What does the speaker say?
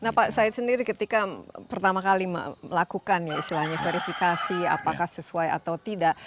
nah pak said sendiri ketika pertama kali melakukan ya istilahnya verifikasi apakah sesuai atau tidak